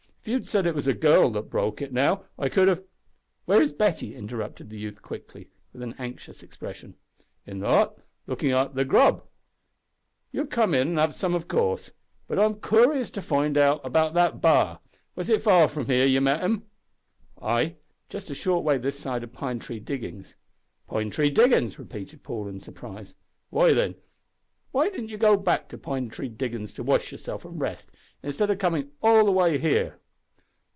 If you had said it was a girl that broke it, now, I could have " "Where is Betty?" interrupted the youth, quickly, with an anxious expression. "In the hut, lookin' arter the grub. You'll come in an' have some, of course. But I'm coorious to hear about that b'ar. Was it far from here you met him?" "Ay, just a short way this side o' Pine Tree Diggings." "Pine Tree Diggin's!" repeated Paul in surprise. "Why, then, didn't you go back to Pine Tree Diggin's to wash yourself an' rest, instead o' comin' all the way here?"